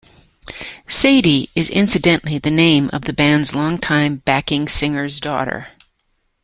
Sadie is incidentally the name of the band's longtime backing singer's daughter.